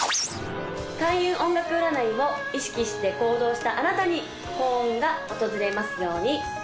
開運音楽占いを意識して行動したあなたに幸運が訪れますように！